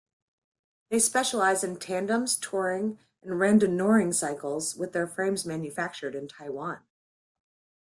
They specialise in tandems, touring and randonneuring cycles, with their frames manufactured in Taiwan.